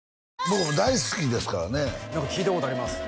僕大好きですからね何か聞いたことあります